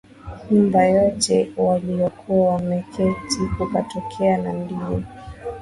nyumba yote waliyokuwa wameketi Kukatokea na ndimi